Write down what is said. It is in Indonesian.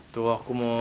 tuh aku mau